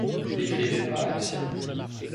N’écrivez pas à Lucien.